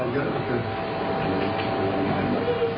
เยอะเกิน